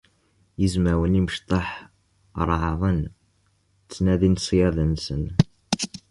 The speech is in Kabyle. Izmawen imecṭaḥ ṛeɛɛden, ttnadin ṣṣyada-nsen.